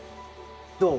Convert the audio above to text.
どう？